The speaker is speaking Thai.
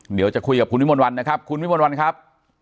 เดี๋ยวจะคุยกับคุณวิมนต์วันนะครับคุณวิมวลวันครับ